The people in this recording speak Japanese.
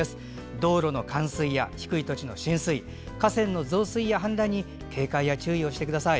道路の冠水や低い土地の浸水河川の増水や氾濫に警戒や注意をしてください。